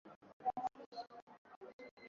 Sipendi kudharauliwa.